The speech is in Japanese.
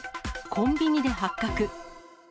コンビニで発覚。